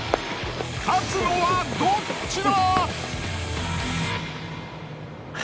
勝つのはどっちだ？